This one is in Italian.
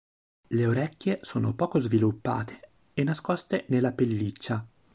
Le orecchie sono poco sviluppate e nascoste nella pelliccia.